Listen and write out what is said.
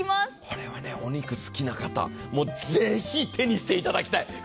これはお肉好きな方、ぜひ手にしていただきたい。